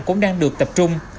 cũng đang được tập trung